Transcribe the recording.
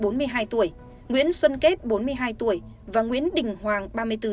nguyễn xuân kết và nguyễn đình hoàng